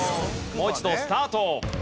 もう一度スタート！